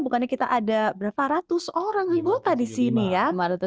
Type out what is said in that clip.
bukannya kita ada berapa ratus orang ibu kota di sini ya